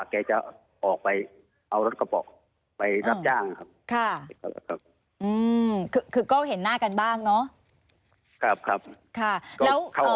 เขาก็จะออกไปเอารถกระเป๋าไปรับจ้างครับคือก็เห็นหน้ากันบ้างเนาะครับครับ